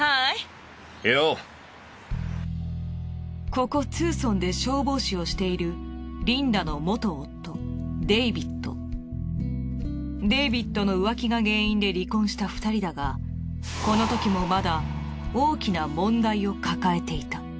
ここツーソンで消防士をしているデイビッドの浮気が原因で離婚した２人だがこのときもまだ大きな問題を抱えていた。